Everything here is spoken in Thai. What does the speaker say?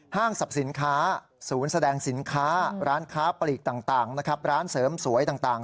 สรรพสินค้าศูนย์แสดงสินค้าร้านค้าปลีกต่างนะครับร้านเสริมสวยต่าง